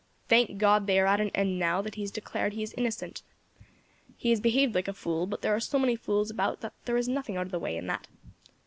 Thank God they are at an end now that he has declared he is innocent. He has behaved like a fool, but there are so many fools about that there is nothing out of the way in that.